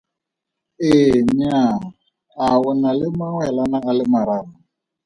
Ee Nnyaa A o na le mawelana a le mararo?